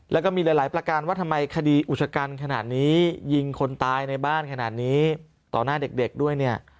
แล้วก็มีหลายประการว่าทำไมคดีอุชกันขนาดนี้ยิงคนตายในบ้านขนาดนี้ต่อหน้าเด็กด้วยเนี่ย